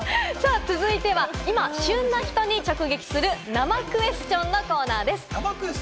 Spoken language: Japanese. さぁ、続いては今、旬な人に直撃する、生クエスチョンのコーナーです。